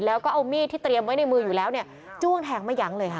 แล้วก็เอามีดที่เตรียมไว้ในมืออยู่แล้วเนี่ยจ้วงแทงไม่ยั้งเลยค่ะ